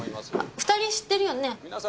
２人知ってるよね？